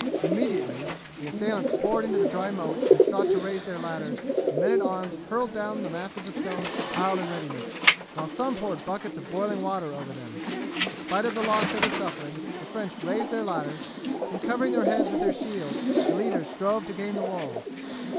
Immediately the assailants poured into the dry moat and sought to raise their ladders the men at arms hurled down the masses of stones piled in readiness, while some poured buckets of boiling water over them. In spite of the loss they were suffering the French raised their ladders, and, covering their heads with their shields, the leaders strove to gain the walls.